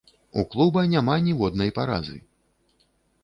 У клуба няма ніводнай паразы.